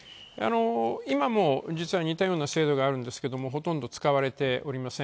今も実は似たような制度があるんですけど、ほとんど使われていません。